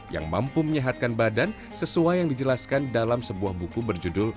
yang mampu menyehatkan badan sesuai yang dijelaskan dalam sebuah buku berjudul